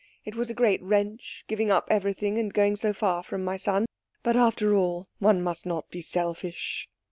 It was a great wrench, giving up everything, and going so far from my son. But after all one must not be selfish."